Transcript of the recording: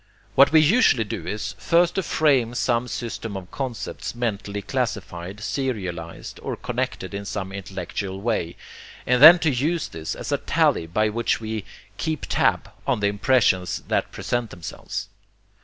What we usually do is first to frame some system of concepts mentally classified, serialized, or connected in some intellectual way, and then to use this as a tally by which we 'keep tab' on the impressions that present themselves.